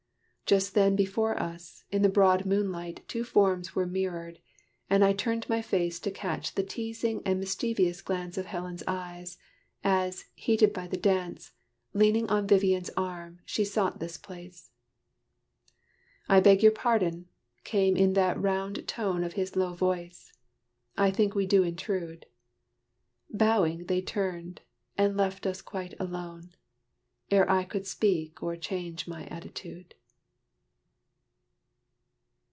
Just then before us, in the broad moonlight, Two forms were mirrored: and I turned my face To catch the teasing and mischievous glance Of Helen's eyes, as, heated by the dance, Leaning on Vivian's arm, she sought this place. "I beg your pardon," came in that round tone Of his low voice. "I think we do intrude." Bowing, they turned, and left us quite alone Ere I could speak, or change my attitude.